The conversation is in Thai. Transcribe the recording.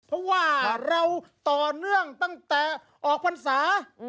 เพราะว่าเราต่อเนื่องตั้งแต่ออกพรรษา